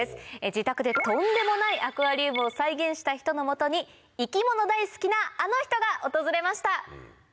自宅でとんでもないアクアリウムを再現した人の元に生き物大好きなあの人が訪れました。